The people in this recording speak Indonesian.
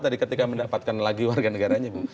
dari ketika mendapatkan lagi warga negaranya